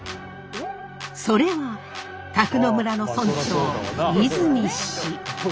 それは宅野村の村長泉氏。